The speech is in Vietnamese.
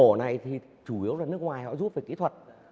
mổ này thì chủ yếu là nước ngoài họ rút về kỹ thuật